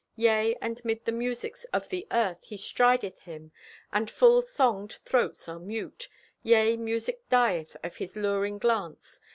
Yea, and 'mid the musics of the earth he strideth him, And full songed throats are mute. Yea, music dieth of his luring glance.